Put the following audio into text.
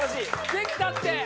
できたって！